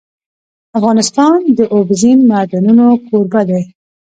افغانستان د اوبزین معدنونه کوربه دی.